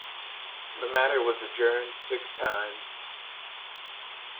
The matter was adjourned six times.